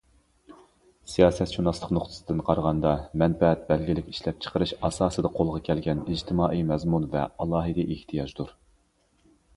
سىياسەتشۇناسلىق نۇقتىسىدىن قارىغاندا، مەنپەئەت بەلگىلىك ئىشلەپچىقىرىش ئاساسىدا قولغا كەلگەن ئىجتىمائىي مەزمۇن ۋە ئالاھىدە ئېھتىياجدۇر.